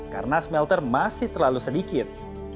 karena smelter masih terlalu sedikit